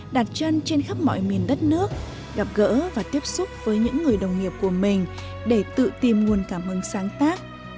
đã đến nhiều nước gặp gỡ và tiếp xúc với những người đồng nghiệp của mình để tự tìm nguồn cảm hứng sáng tác